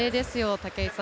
武井さん。